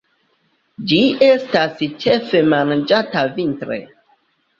Ĝi estas ĉefe manĝata vintre.